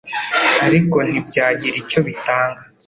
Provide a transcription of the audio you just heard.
ariko ntibyagira icyo bitanga